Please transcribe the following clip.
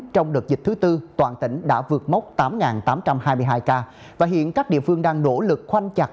trong đợt dịch thứ tư toàn tỉnh đã vượt mốc tám tám trăm hai mươi hai ca và hiện các địa phương đang nỗ lực khoanh chặt